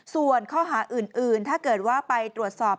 ส่วนข้อหาอื่นถ้าเกิดว่าไปตรวจสอบ